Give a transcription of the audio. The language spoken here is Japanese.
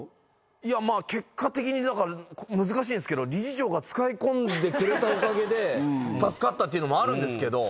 いやまぁ結果的にだから難しいんですけど理事長が使い込んでくれたおかげで助かったっていうのもあるんですけど。